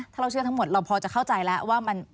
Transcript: ถ้าเราเชื่อทั้งหมดเราพอจะเข้าใจแล้วว่า